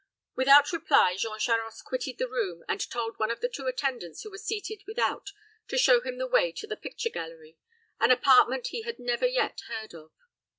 Without reply, Jean Charost quitted the room, and told one of the two attendants who were seated without to show him the way to the picture gallery an apartment he had never yet heard of.